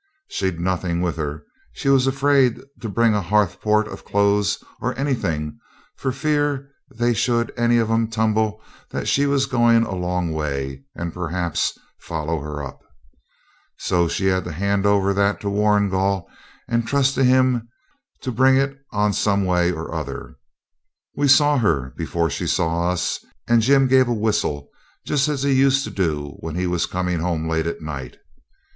She'd nothing with her; she was afraid to bring a ha'porth of clothes or anything for fear they should any of 'em tumble that she was going a long way, and, perhaps, follow her up. So she had to hand that over to Warrigal, and trust to him to bring it on some way or other. We saw her before she saw us, and Jim gave a whistle just as he used to do when he was coming home late at night.